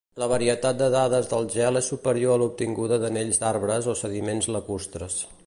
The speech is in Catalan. La varietat de dades del gel és superior a l'obtinguda d'anells d'arbres o sediments lacustres.